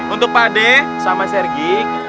untuk pak de sama sergi